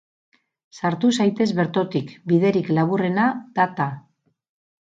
Sartu zaitez bertotik, biderik laburrena da ta.